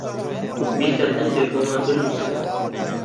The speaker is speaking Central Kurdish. بیرتان نەچێت بۆمان بنووسن.